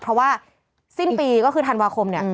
เพราะว่าสิ้นปีก็คือธันวาคมเนี่ย